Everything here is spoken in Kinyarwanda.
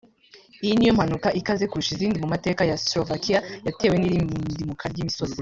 iyi niyo mpanuka ikaze kurusha izindi mu mateka ya Slovakia yatewe n’irindimuka ry’imisozi